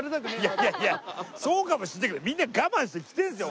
いやいやそうかもしれないけどみんな我慢して着てるんですよ